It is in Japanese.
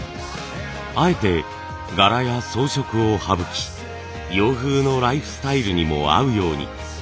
あえて柄や装飾を省き洋風のライフスタイルにも合うように。